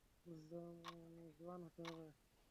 জোয়ান হতে হবে!